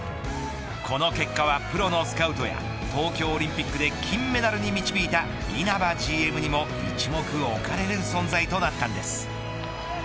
この結果はプロのスカウトや東京オリンピックで金メダルに導いた稲葉ＧＭにも一目置かれる存在となったんです。